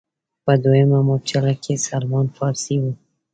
په دویمه مورچله کې سلمان فارسي و.